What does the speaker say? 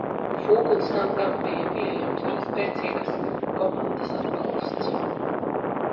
Fūglsangam bija pieejams arī spēcīgas komandas atbalsts.